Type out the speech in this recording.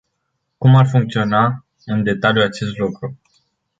Cum ar funcționa în detaliu acest lucru?